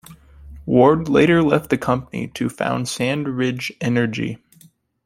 Ward later left the company to found SandRidge Energy.